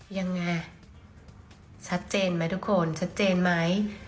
ยังไงชัดเจนไหมทุกคนชัดเจนไหม